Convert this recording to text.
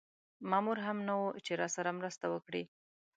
مامور هم نه و چې راسره مرسته وکړي.